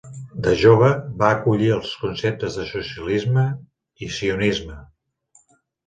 De jove va acollir els conceptes de socialisme i sionisme.